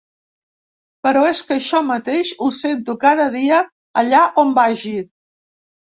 Però és que això mateix ho sento cada dia allà on vagi.